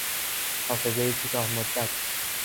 حافظهی کوتاه مدت